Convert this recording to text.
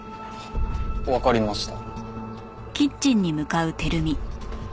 わかりました。